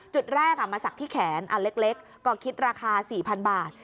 จุดแรกมาสักที่แขนอันเล็กก็คิดราคา๔๐๐๐บาท